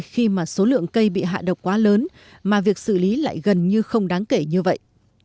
khi mà số lượng cây bị hạ độc quá lớn mà việc xử lý lại gần như không đáng kể như vậy